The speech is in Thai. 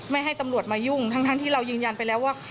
ให้ตำรวจมายุ่งทั้งที่เรายืนยันไปแล้วว่า